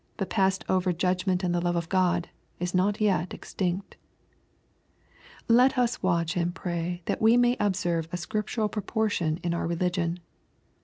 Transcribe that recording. bnt passed over ''judgment and the love of God," ia not 'net. s watch and pray that we may observe a scrip oportion in our religion.